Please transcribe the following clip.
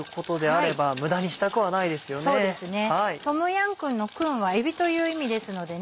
トムヤムクンの「クン」は「えび」という意味ですのでね。